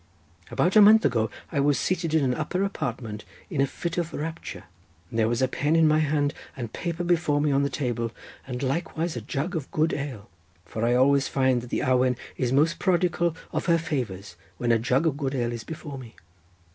About a month ago I was seated in an upper apartment, in a fit of rapture; there was a pen in my hand, and paper before me on the table, and likewise a jug of good ale, for I always find that the awen is most prodigal of her favours, when a jug of good ale is before me.